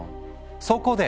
そこで！